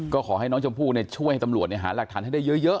ก็ขอให้น้องชมพู่ช่วยให้ตำรวจหาหลักฐานให้ได้เยอะ